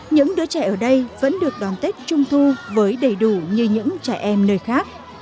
những đứa trẻ ở đây vẫn được đón tết trung thu với đầy đủ như những trẻ em nơi khác